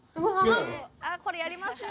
あっこれやりますよね。